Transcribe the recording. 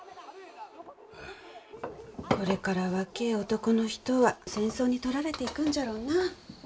これから若え男の人は戦争に取られていくんじゃろうなあ。